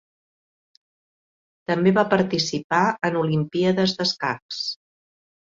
També va participar en Olimpíades d'escacs.